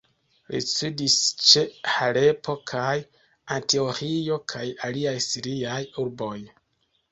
Li studis ĉe Halepo kaj Antioĥio kaj aliaj siriaj urboj.